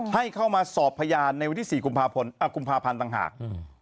ให้เข้ามาสอบพยานในวันที่๔กุมภาพันธ์ต่างหาก